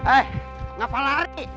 eh kenapa lari